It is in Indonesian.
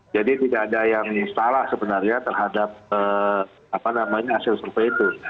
jadi tidak ada yang salah sebenarnya terhadap hasil survei itu